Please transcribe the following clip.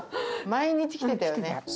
毎日来てたよね。